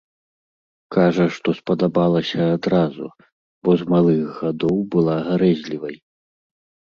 Кажа, што спадабалася адразу, бо з малых гадоў была гарэзлівай.